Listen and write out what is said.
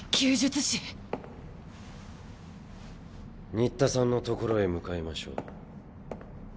新田さんのところへ向かいましょう。